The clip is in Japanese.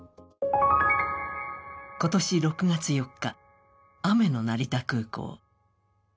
今年６月４日、雨の成田空港。